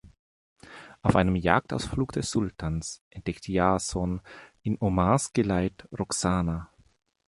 Auf einem Jagdausflug des Sultans entdeckt Jason in Omars Geleit Roxana.